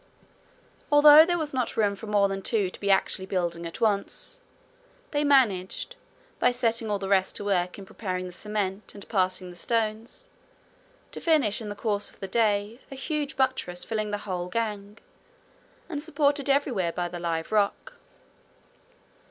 Although there was not room for more than two to be actually building at once, they managed, by setting all the rest to work in preparing the cement and passing the stones, to finish in the course of the day a huge buttress filling the whole gang, and supported everywhere by the live rock.